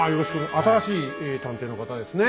新しい探偵の方ですね。